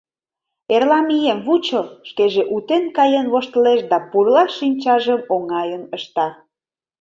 — Эрла мием, вучо, — шкеже утен каен воштылеш да пурла шинчажым оҥайын ышта.